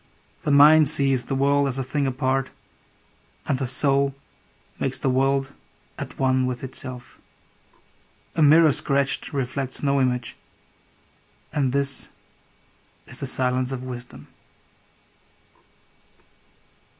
The mind sees the world as a thing apart, And the soul makes the world at one with itself. A mirror scratched reflects no image— And this is the silence of wisdom.